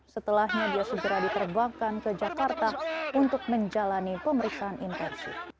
setelahnya dia segera diterbangkan ke jakarta untuk menjalani pemeriksaan intensif